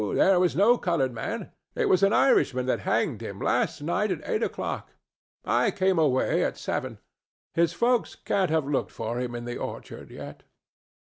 There was no colored man. It was an Irishman that hanged him last night at eight o'clock; I came away at seven. His folks can't have looked for him in the orchard yet."